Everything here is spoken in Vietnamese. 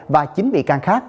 và chính bị can khác